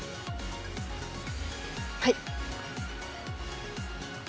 はい。